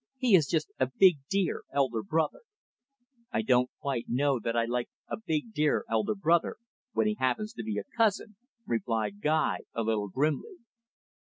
He is just a big, dear elder brother." "I don't quite know that I like a big, dear elder brother, when he happens to be a cousin," replied Guy, a little grimly.